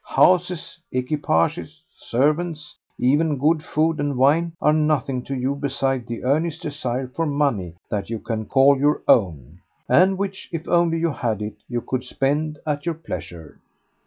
Houses, equipages, servants, even good food and wine, are nothing to you beside that earnest desire for money that you can call your own, and which, if only you had it, you could spend at your pleasure."